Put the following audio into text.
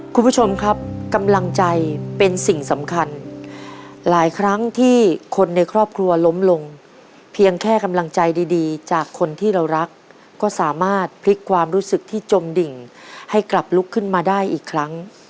คุณผู้ชมครับกำลังใจเป็นสิ่งสำคัญหลายครั้งที่คนในครอบครัวล้มลงเพียงแค่กำลังใจดีจากคนที่เรารักก็สามารถพลิกความรู้สึกที่จมดิ่งให้กลับลุกขึ้นมาได้อีกครั้ง